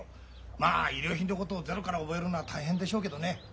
まあ衣料品のことをゼロから覚えるのは大変でしょうけどね。